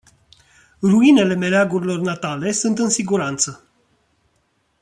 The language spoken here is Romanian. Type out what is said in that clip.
Ruinele meleagurilor natale sunt în siguranță.